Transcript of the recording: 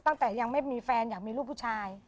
ตั้งแต่ยังไม่มีแฟนอยากมีลูกผู้ชาย